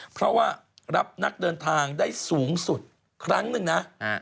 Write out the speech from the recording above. เพราะว่ารับนักเดินทางได้สูงสุดครั้งหนึ่งนะ